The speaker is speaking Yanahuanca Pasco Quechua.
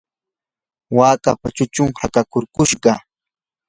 wakapa chuchun hakakurkushqa.